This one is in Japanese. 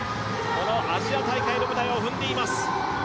アジア大会の舞台を踏んでいます。